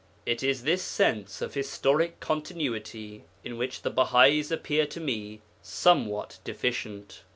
It is this sense of historical continuity in which the Bahais appear to me somewhat deficient.